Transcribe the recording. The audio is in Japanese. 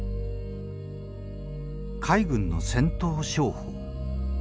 海軍の戦闘詳報。